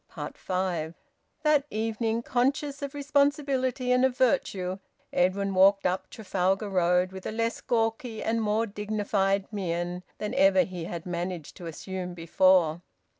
FIVE. That evening, conscious of responsibility and of virtue, Edwin walked up Trafalgar Road with a less gawky and more dignified mien than ever he had managed to assume before.